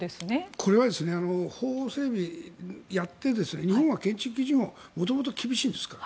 これは法整備、やって日本は建築基準法が元々厳しいですから。